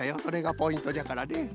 それがポイントじゃからね。